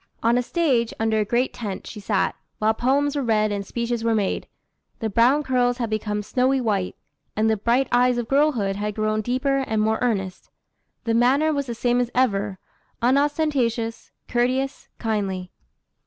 On a stage, under a great tent, she sat, while poems were read and speeches made. The brown curls had become snowy white, and the bright eyes of girlhood had grown deeper and more earnest. The manner was the same as ever, unostentatious, courteous, kindly.